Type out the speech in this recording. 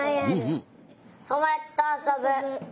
ともだちとあそぶ。